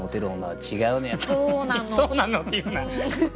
「そうなの」って言うな！